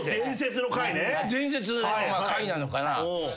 伝説の回なのかな。